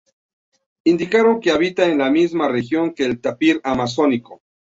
Indicaron que habita en la misma región que el tapir amazónico.